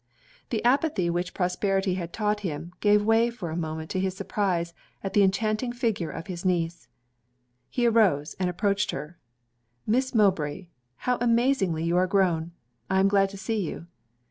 The apathy which prosperity had taught him, gave way for a moment to his surprize at the enchanting figure of his niece. He arose, and approached her. 'Miss Mowbray! how amazingly you are grown! I am glad to see you.'